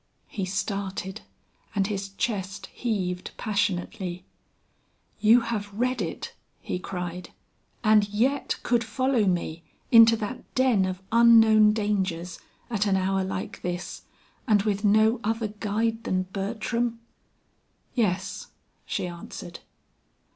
He started and his chest heaved passionately. "You have read it," he cried, "and yet could follow me into that den of unknown dangers at an hour like this, and with no other guide than Bertram?" "Yes," she answered.